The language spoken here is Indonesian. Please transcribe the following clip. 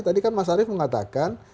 tadi kan mas arief mengatakan